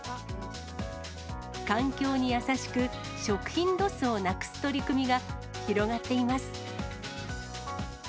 環境に優しく、食品ロスをなくす取り組みが広がっています。